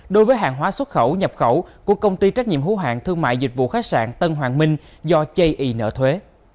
đối với hàng hóa xuất khẩu nhập khẩu của công ty trách nhiệm hữu hạng thương mại dịch vụ khách sạn tân hoàng minh do chì ý nợ thuế